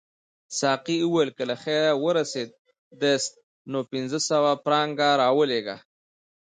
ساقي وویل که له خیره ورسیداست نو پنځه سوه فرانکه راولېږه.